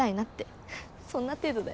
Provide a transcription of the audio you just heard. そんな程度だよ。